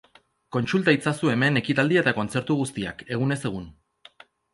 Kontsulta itzazu hemen ekitaldi eta kontzertu guztiak, egunez egun.